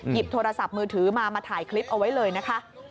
โทรศัพท์มือถือมามาถ่ายคลิปเอาไว้เลยนะคะ